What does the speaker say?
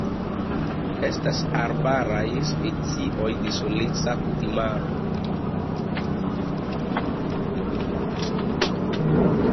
Estas arbaraj specioj de soleca kutimaro.